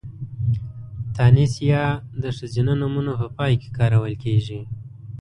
تانيث ۍ د ښځينه نومونو په پای کې کارول کېږي.